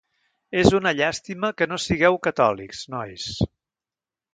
És una llàstima que no sigueu catòlics, nois.